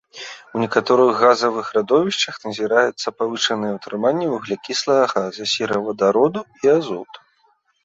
У некаторых газавых радовішчах назіраецца павышанае ўтрыманне вуглякіслага газа, серавадароду і азоту.